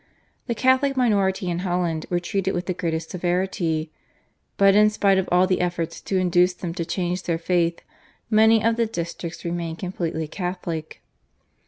The Catholic minority in Holland were treated with the greatest severity, but in spite of all the efforts to induce them to change their faith many of the districts remained completely Catholic.